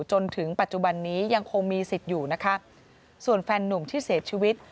จนถึงปัจจุบันนี้ยังคงมีสิทธิ์อยู่นะคะส่วนแฟนนุ่มที่เสียชีวิต